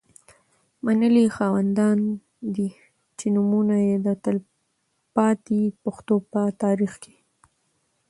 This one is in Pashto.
منلي خاوندان دي. چې نومونه یې د تلپا تي پښتو په تاریخ کي